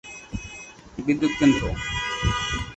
বিদ্যুৎ কেন্দ্র।